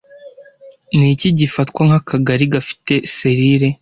Niki gifatwa nkakagari gafite selile